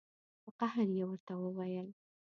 په قهر یې ورته وویل.